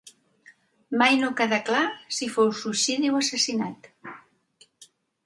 Mai no quedà clar si fou suïcidi o assassinat.